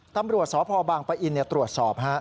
ตำรวจสพบางปะอินตรวจสอบ